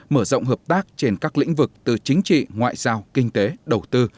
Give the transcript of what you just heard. mở rộng hợp tác trên các lĩnh vực từ chính trị ngoại giao kinh tế đầu tư